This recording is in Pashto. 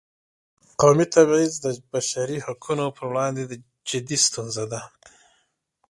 قومي تبعیض د بشري حقونو پر وړاندې جدي ستونزه ده.